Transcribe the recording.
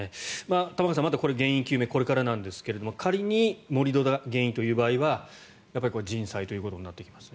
玉川さん、原因究明はこれからなんですが仮に盛り土が原因という場合は人災ということになってきますね。